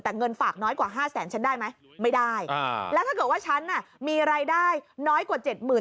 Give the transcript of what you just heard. แต่เงินฝากน้อยกว่า๕แสนฉันได้ไหมไม่ได้แล้วถ้าเกิดว่าฉันน่ะมีรายได้น้อยกว่า๗๐๐